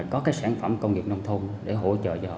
có cái sản phẩm công nghiệp nông thôn để hỗ trợ cho họ